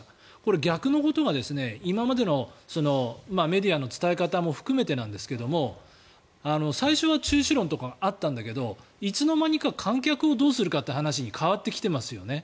逆のことが、今までのメディアの伝え方も含めてなんですが最初は中止論とかあったんだけどいつの間にか観客をどうするかって話に変わってきていますよね。